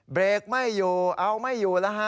เบรกไม่อยู่เอาไม่อยู่แล้วฮะ